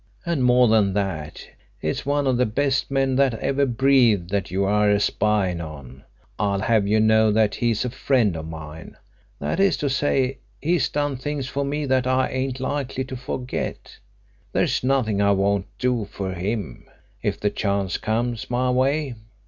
"And more than that, it's one of the best men that ever breathed that you are a spying on. I'll have you know that he's a friend of mine. That is to say he's done things for me that I ain't likely to forget. There's nothing I won't do for him, if the chance comes my way.